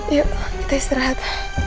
yuk kita istirahat